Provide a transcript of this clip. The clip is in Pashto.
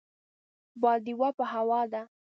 باديوه په هوا ده.